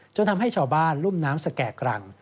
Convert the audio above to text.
จนทำให้ชาวบ้านรุ่นน้ำแสกกรัง